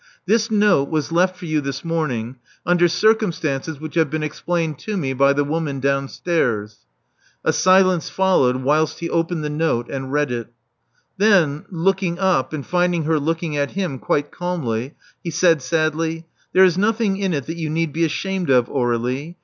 This note was left for you this morn ing, under circumstances which have been explained to me by the woman downstairs." A silence followed whilst he opened the note and read it. Th^n, looking up, and finding her looking at him quite calmly, he said sadly, There is nothing in it that you need be ashamed of, Aurelie.